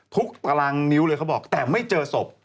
ตารางนิ้วเลยเขาบอกแต่ไม่เจอศพ